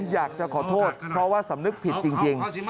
อยากจะขอโทษเพราะว่าสำนึกผิดจริง